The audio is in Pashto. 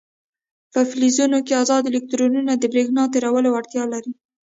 په فلزونو کې ازاد الکترونونه د برېښنا تیرولو وړتیا لري.